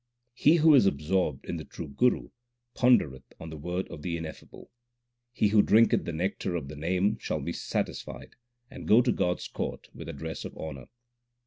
He who is absorbed in the True Guru pondereth on the Word of the Ineffable. He who drinketh the nectar of the Name shall be satisfied, and go to God s court with a dress of honour.